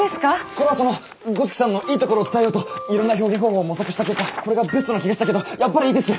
これはその五色さんのいいところを伝えようといろんな表現方法を模索した結果これがベストな気がしたけどやっぱりいいです。